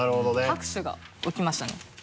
拍手が起きましたね。